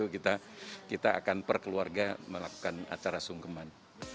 kita akan perkeluarga melakukan acara sungkeman